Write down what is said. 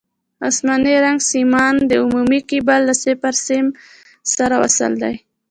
اسماني رنګ سیمان د عمومي کیبل له صفر سیم سره وصل دي.